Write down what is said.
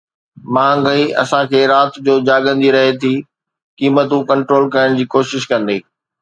مهانگائي اسان کي رات جو جاڳندي رهي ٿي قيمتون ڪنٽرول ڪرڻ جي ڪوشش ڪندي